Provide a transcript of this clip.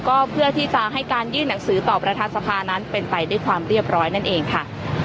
ก็เพื่อที่จะให้การยื่นหนังสือต่อประธานสภานั้นเป็นไปด้วยความเรียบร้อยนั่นเองค่ะ